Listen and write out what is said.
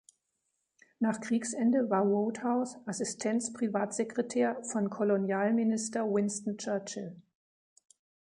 Nach Kriegsende war Wodehouse Assistenz-Privatsekretär von Kolonialminister Winston Churchill.